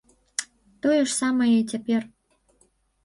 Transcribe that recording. Тое ж самае і цяпер.